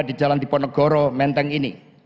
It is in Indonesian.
di jalan diponegoro menteng ini